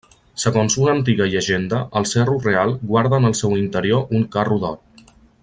Segons una antiga llegenda, el Cerro Real guarda en el seu interior un carro d'or.